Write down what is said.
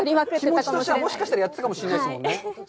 気持ちとしてはもしかしたら、やってたかもしれないですね。